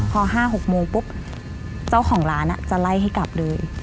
พอ๕๖โมงปุ๊บเจ้าของร้านจะไล่ให้กลับเลย